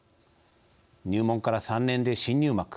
入門から３年で新入幕